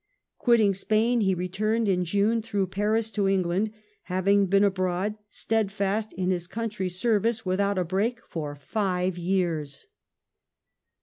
Quitting Spain, he returned in June through Paris to England, having been abroad, steadfast in his country's service, without a break for five years